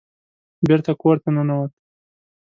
بېرته کور ته ننوت.